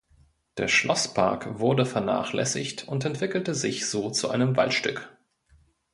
Der Schlosspark wurde vernachlässigt und entwickelte sich so zu einem Waldstück.